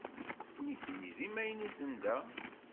Nitni d imaynuten da.